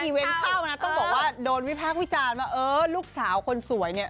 ไม่ใช่การเปิดขับข้เนี่ยต้องบอกว่าโดนวิพักษ์วิจารณ์ว่าเออหลูกสาวคนสวยเนี่ย